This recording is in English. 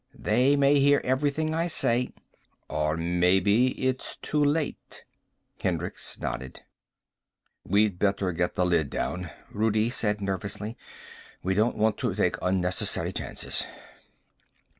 They may hear everything I say " "Or maybe it's too late." Hendricks nodded. "We better get the lid down," Rudi said nervously. "We don't want to take unnecessary chances."